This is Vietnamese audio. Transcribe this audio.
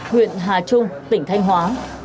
huyện hà trung tỉnh thanh hóa